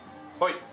はい。